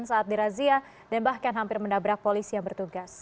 saat dirazia dan bahkan hampir menabrak polisi yang bertugas